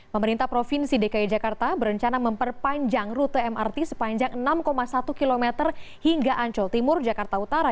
pemerintah provinsi dki jakarta berencana memperpanjang rute mrt sepanjang enam satu km hingga ancol timur jakarta utara